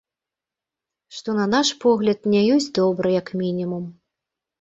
Што, на наш погляд, не ёсць добра, як мінімум.